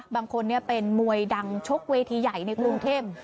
บางคนเป็นมวยดังชกเวทีใหญ่ในกรุงเทพ